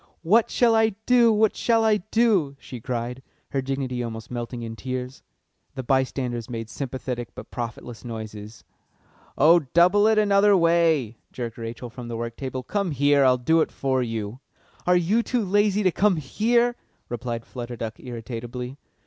"What shall I do? What shall I do?" she cried, her dignity almost melting in tears. The by standers made sympathetic but profitless noises. "Oh, double it another way," jerked Rachel from the work table. "Come here, I'll do it for you." "Are you too lazy to come here?" replied Flutter Duck irritably.